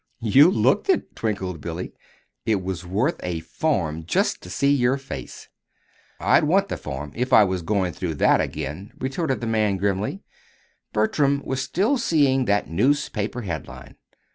"You looked it," twinkled Billy. "It was worth a farm just to see your face!" "I'd want the farm if I was going through that again," retorted the man, grimly Bertram was still seeing that newspaper heading.